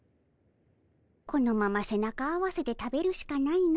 このまま背中合わせで食べるしかないの。